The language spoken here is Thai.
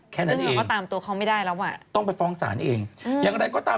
แค่นั้นเองต้องไปฟ้องสารเองอย่างไรก็ตาม